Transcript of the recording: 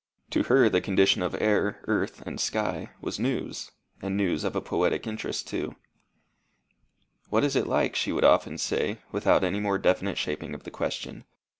To her the condition of air, earth, and sky was news, and news of poetic interest too. "What is it like?" she would often say, without any more definite shaping of the question.